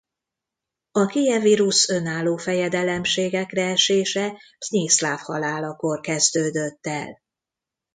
A Kijevi Rusz önálló fejedelemségekre esése Msztyiszláv halálakor kezdődött el.